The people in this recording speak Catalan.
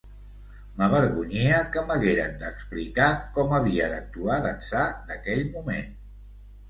M'avergonyia que m'hagueren d'explicar com havia d'actuar d'ençà d'aquell moment.